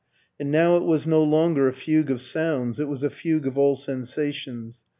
And now it was no longer a fugue of sounds it was a fugue of all sensations.